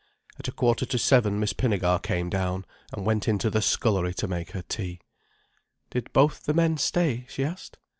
At a quarter to seven Miss Pinnegar came down, and went into the scullery to make her tea. "Did both the men stay?" she asked.